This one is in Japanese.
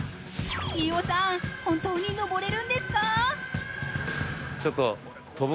飯尾さん、本当に登れるんですか？